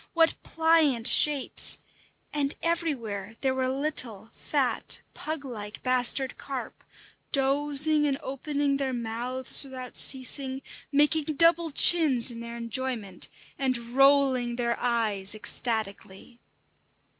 What pliant shapes! And everywhere there were little, fat, pug like bastard carp, dozing and opening their mouths without ceasing, making double chins in their enjoyment, and rolling their eyes ecstatically.